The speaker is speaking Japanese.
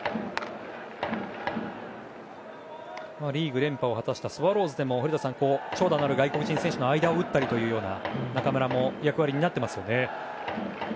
リーグ連覇を果たしたスワローズでも古田さん、長打のある外国人選手の間を打ったりという中村もそういう役割を担っていますね。